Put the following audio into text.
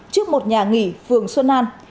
trước một nhà nghỉ phường xuân an